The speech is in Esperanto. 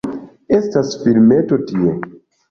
Estas filmeto tie